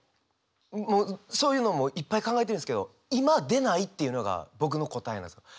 もうそういうのもいっぱい考えてるんですけど今出ないっていうのが僕の答えなんですよ。